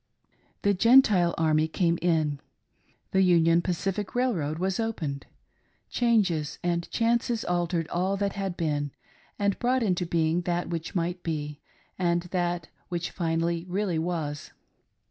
The Gentile army came in. The Union Pacific Railroad was opened. Changes and chances altered all that had been, and brought into being that which might be, and that which finally really was.